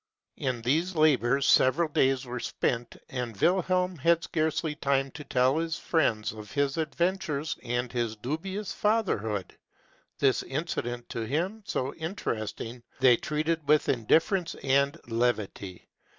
In these labors several days were spent, and Wilhelm had scarcely time to tell his friends of his adventures and his dubious fatherhood. This incident, to him so interesting, they treated with indifference and levity.